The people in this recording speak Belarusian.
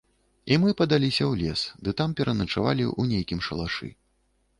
І мы падаліся ў лес ды там пераначавалі ў нейкім шалашы.